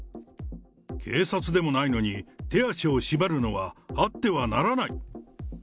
警察でもないのに手足を縛るのはあってはならない。